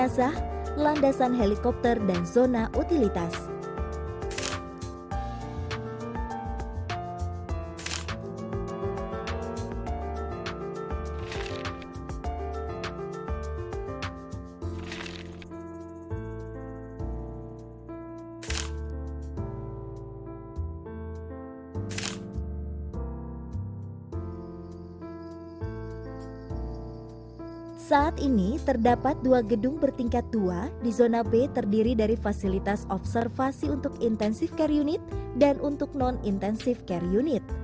saat ini terdapat dua gedung bertingkat dua di zona b terdiri dari fasilitas observasi untuk intensive care unit dan untuk non intensive care unit